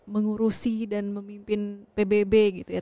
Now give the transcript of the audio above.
mengurusi dan memimpin pbb gitu ya